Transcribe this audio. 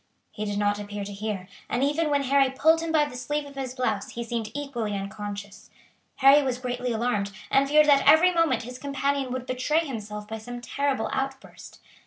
He did not appear to hear, and even when Harry pulled him by the sleeve of his blouse he seemed equally unconscious. Harry was greatly alarmed, and feared that every moment his companion would betray himself by some terrible out burst.